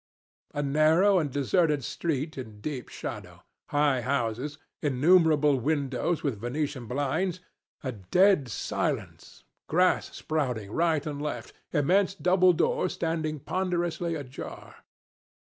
"A narrow and deserted street in deep shadow, high houses, innumerable windows with venetian blinds, a dead silence, grass sprouting between the stones, imposing carriage archways right and left, immense double doors standing ponderously ajar.